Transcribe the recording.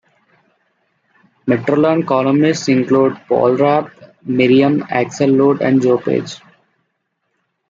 "Metroland" columnists include Paul Rapp, Miriam Axel-Lute, and Jo Page.